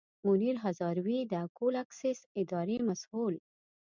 منیر هزاروي د اکول اکسیس اداري مسوول.